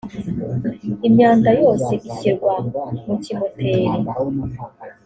imyanda yose ishyirwa mukimoteri.